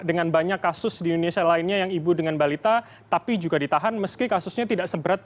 sekarang ya tokoh tokoh masyarakat